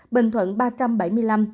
bình thuận một ba trăm bảy mươi năm ca